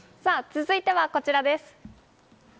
続いては、こちらです。